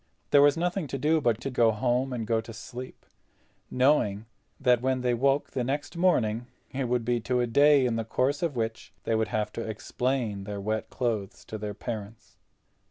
There was nothing to do but to go home, and go to sleep, knowing that when they woke the next morning it would be to a day in the course of which they would have to explain their wet clothes to their parents.